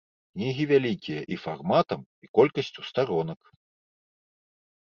Кнігі вялікія і фарматам, і колькасцю старонак.